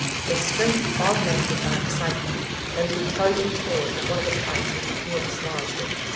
With strength augmented by excitement, Dundee tugged and tore at one of the pipes until he had dislodged it.